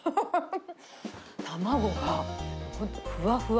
卵がふわふわ。